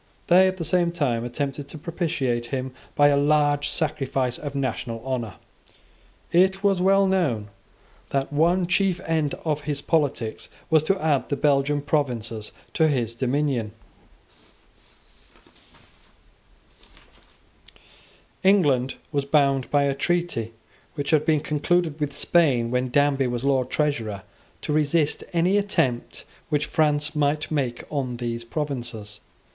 They, at the same time, attempted to propitiate him by a large sacrifice of national honour. It was well known that one chief end of his politics was to add the Belgian provinces to his dominions. England was bound by a treaty which had been concluded with Spain when Danby was Lord Treasurer, to resist any attempt which France might make on those provinces.